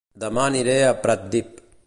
Dema aniré a Pratdip